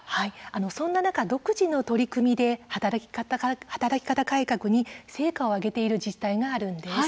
そんな中、独自の取り組みで働き方改革に成果を挙げていて自治体があるんです。